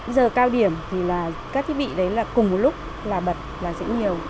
giờ cao điểm thì các thiết bị đấy là cùng một lúc là bật là sẽ nhiều